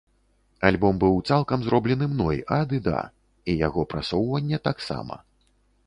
Альбом быў цалкам зроблены мной ад і да, і яго прасоўванне таксама.